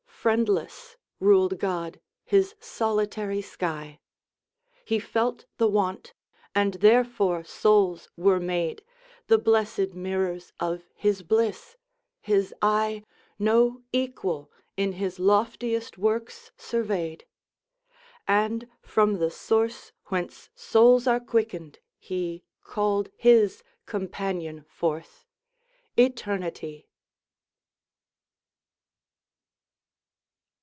Friendless ruled God His solitary sky; He felt the want, and therefore souls were made, The blessed mirrors of his bliss! His eye No equal in His loftiest works surveyed; And from the source whence souls are quickened, He Called His companion forth ETERNITY!